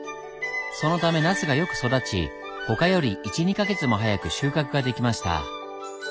そのためナスがよく育ち他より１２か月も早く収穫ができました。